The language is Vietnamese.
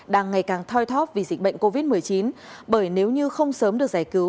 đang ngày càng thoi thóc vì dịch bệnh covid một mươi chín bởi nếu như không sớm được giải cứu